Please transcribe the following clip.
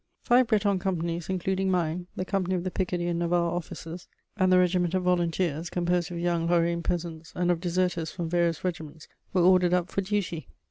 ] Five Breton companies, including mine, the company of the Picardy and Navarre officers, and the regiment of volunteers, composed of young Lorraine peasants and of deserters from various regiments, were ordered up for duty.